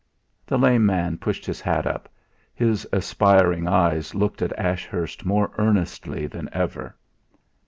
The lame man pushed his hat up; his aspiring eyes looked at Ashurst more earnestly than ever.